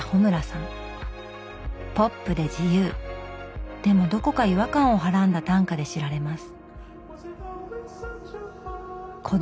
ポップで自由でもどこか違和感をはらんだ短歌で知られます。